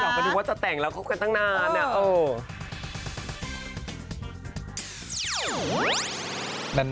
ไปดูว่าจะแต่งแล้วคบกันตั้งนานอะ